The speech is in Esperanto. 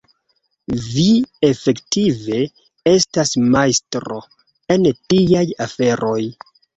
Vi, efektive, estas majstro en tiaj aferoj.